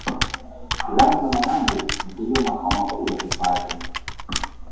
Lango la Marangu ndiyo makao makuu ya hifadhi